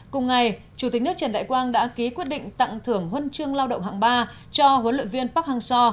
cùng ngày chủ tịch nước trần đại quang đã ký quyết định tặng thưởng huân chương lao động hạng ba cho huấn luyện viên park hang seo